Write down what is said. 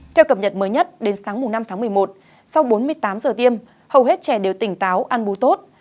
theo cập nhật mới nhất đến sáng năm tháng một mươi một sau bốn mươi tám giờ tiêm hầu hết trẻ đều tỉnh táo ăn bú tốt